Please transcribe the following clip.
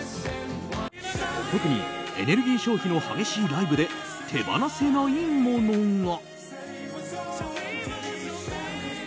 特に、エネルギー消費の激しいライブで手放せないものが。